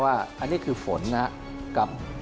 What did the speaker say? ว่าอันนี้คือฝนนะครับ